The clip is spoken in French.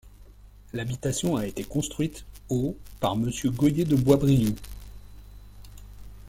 L’habitation a été construite au par monsieur Gohier de Boisbrioux.